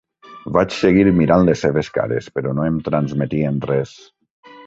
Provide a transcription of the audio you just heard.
Vaig seguir mirant les seves cares, però no em transmetien res.